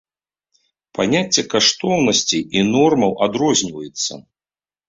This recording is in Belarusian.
Паняцце каштоўнасцей і нормаў адрозніваюцца.